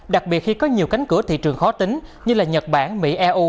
đặc biệt khi có nhiều cánh cửa thị trường khó tính như là nhật bản mỹ eu